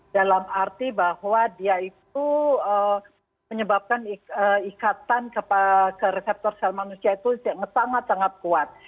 dalam arti bahwa dia itu menyebabkan ikatan ke reseptor sel manusia itu sangat sangat kuat